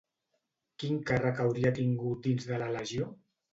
Quin càrrec hauria tingut dins de la legió?